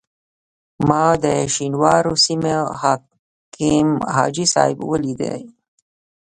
ما د شینوارو سیمې حکیم حاجي صاحب ولیدی.